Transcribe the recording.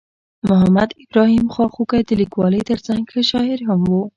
محمد ابراهیم خواخوږی د لیکوالۍ ترڅنګ ښه شاعر هم ؤ.